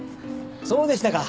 そうでしたか。